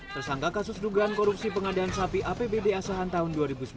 tersangka kasus dugaan korupsi pengadaan sapi apbd asahan tahun dua ribu sembilan belas